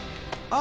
あ！